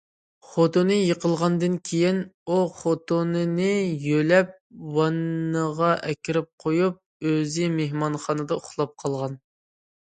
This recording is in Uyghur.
خوتۇنى يىقىلغاندىن كېيىن، ئۇ خوتۇنىنى يۆلەپ ۋاننىغا ئەكىرىپ قويۇپ، ئۆزى مېھمانخانىدا ئۇخلاپ قالغان.